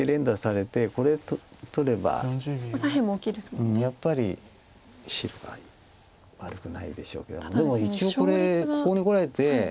うんやっぱり白が悪くないでしょうけどもでも一応これここにこられて。